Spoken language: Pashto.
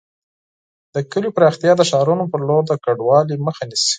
د کليو پراختیا د ښارونو پر لور د کډوالۍ مخه نیسي.